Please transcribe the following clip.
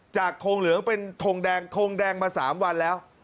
จากทงเหลืองจากทงแดงทงแดงมา๓วันแล้ว